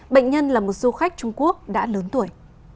bệnh nhân là một du khách trung quốc đã lớn tuổi